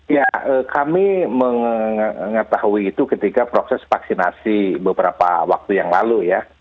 ya kami mengetahui itu ketika proses vaksinasi beberapa waktu yang lalu ya